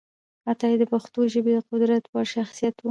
عطایي د پښتو ژبې د قدر وړ شخصیت و